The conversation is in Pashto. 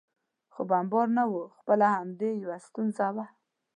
خو بمبار نه و، خپله همدې یو ستونزه وه.